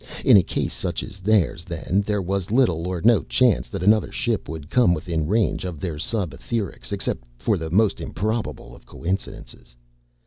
In a case such as theirs, then, there was little or no chance that another ship would come within range of their subetherics except for the most improbable of coincidences.